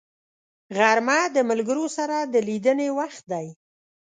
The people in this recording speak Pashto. غرمه د ملګرو سره د لیدنې وخت دی